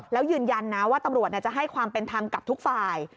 แล้วยืนยันนะว่าตำรวจจะให้ความเป็นธรรมกับทุกฝ่าย